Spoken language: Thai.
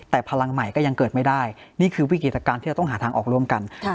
แต่พลังใหม่ก็ยังเกิดไม่ได้นี่คือวิกฤติการที่เราต้องหาทางออกร่วมกัน